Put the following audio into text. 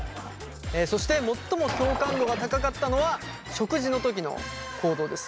そして最も共感度が高かったのは食事のときの行動です。